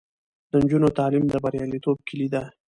د نجونو تعلیم د بریالیتوب کیلي ده.